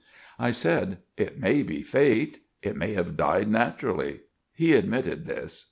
I said, "It may be Fate. It may have died naturally." He admitted this.